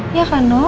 iya kan noh